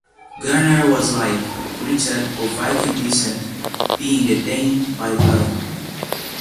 Gunnor was, like Richard, of Viking descent, being a Dane by blood.